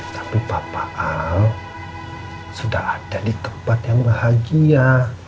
tapi papa al sudah ada di tempat yang bahagia